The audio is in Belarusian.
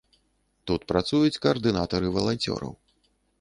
Тут працуюць каардынатары валанцёраў.